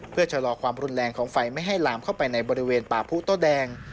เพื่อชะลอความรุนแรงของไฟไม่ให้ลามเข้าไปในบริเวณป่าผู้โต้แดง